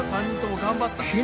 ３人とも頑張った。